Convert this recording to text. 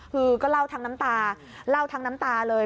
คือก็เล่าทั้งน้ำตาเล่าทั้งน้ำตาเลย